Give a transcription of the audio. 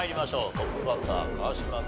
トップバッター川島君